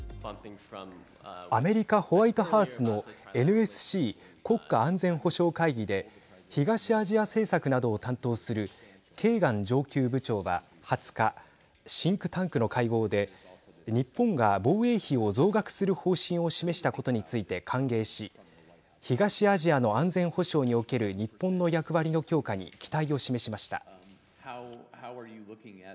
アメリカ、ホワイトハウスのＮＳＣ＝国家安全保障会議で東アジア政策などを担当するケーガン上級部長は２０日、シンクタンクの会合で日本が防衛費を増額する方針を示したことについて歓迎し東アジアの安全保障における日本の役割の強化に期待を示しました。